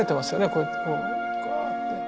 こうやってぐわって。